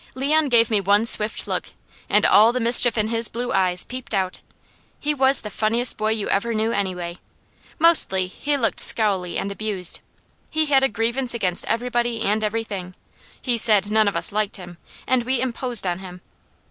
Leon gave me one swift look and all the mischief in his blue eyes peeped out. He was the funniest boy you ever knew, anyway. Mostly he looked scowly and abused. He had a grievance against everybody and everything. He said none of us liked him, and we imposed on him.